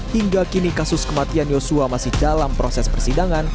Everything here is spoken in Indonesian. hingga kini kasus kematian yosua masih dalam proses persidangan